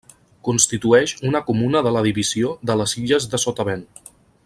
Constitueix una comuna de la divisió de les Illes de Sotavent.